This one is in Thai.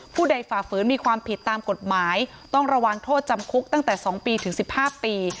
ผู้ใดฝ่าฝืนมีความผิดตามกฎหมายต้องระวังโทษจำคุกตั้งแต่๒ปีถึง๑๕ปี